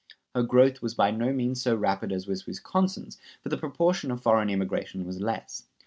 Her growth was by no means so rapid as was Wisconsin's, for the proportion of foreign immigration was less.